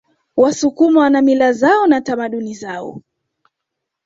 wasukuma wana mila zao na tamaduni zao